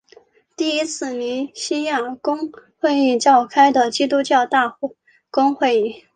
第一次尼西亚公会议召开的基督教大公会议。